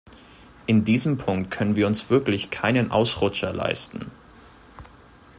In diesem Punkt können wir uns wirklich keinen Ausrutscher leisten.